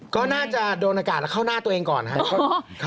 ก็น่าจะโดนอากาศแล้วเข้าหน้าตัวเองก่อนนะครับ